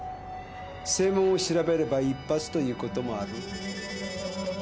声紋を調べれば一発ということもある。